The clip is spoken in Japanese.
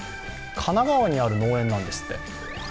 神奈川にある農園なんですって。